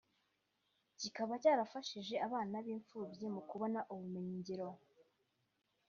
kikaba cyarafashije abana b’impfubyi mu kubona ubumenyingiro